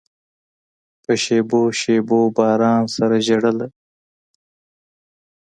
په شېبو، شېبو باران سره ژړله